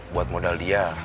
buat modal dia